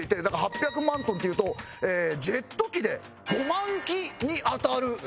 だから８００万トンというとジェット機で５万機に当たる。